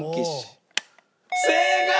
正解！